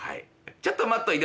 ちょっと待っといで。